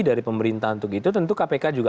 dari pemerintah untuk itu tentu kpk juga